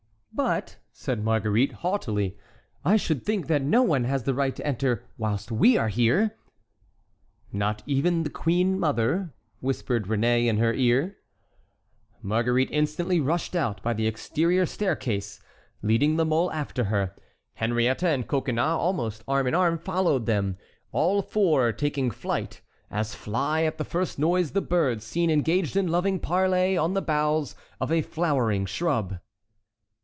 "But," said Marguerite, haughtily, "I should think that no one has the right to enter whilst we are here!" "Not even the queen mother?" whispered Réné in her ear. Marguerite instantly rushed out by the exterior staircase, leading La Mole after her; Henriette and Coconnas almost arm in arm followed them, all four taking flight, as fly at the first noise the birds seen engaged in loving parley on the boughs of a flowering shrub.